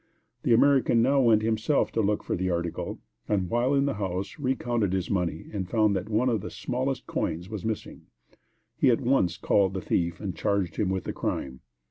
The American now went himself to look for the article, and, while in the house, recounted his money and found one of the smallest coins missing. He at once called the thief and charged him with the crime.